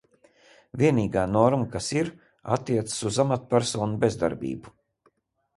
Vienīgā norma, kas ir, attiecas uz amatpersonas bezdarbību.